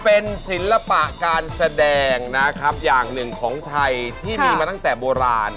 เป็นศิลปะการแสดงนะครับอย่างหนึ่งของไทยที่มีมาตั้งแต่โบราณ